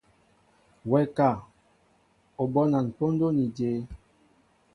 Wɛ ka, O bónan póndó ni jě?